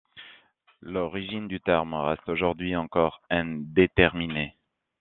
L'origine du terme reste aujourd'hui encore indéterminée.